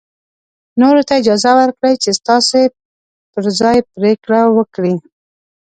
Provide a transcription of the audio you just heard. نورو ته اجازه ورکړئ چې ستاسو پر ځای پرېکړه وکړي.